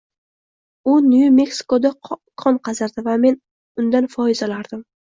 U Nyu-Meksikoda kon qazirdi va men undan foiz olardim